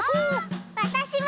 わたしも！